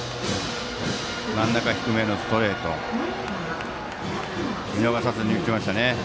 真ん中低めへのストレートを見逃さずに打ちましたね。